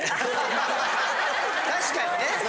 確かにね。